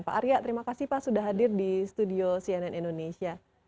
pak arya terima kasih pak sudah hadir di studio cnn indonesia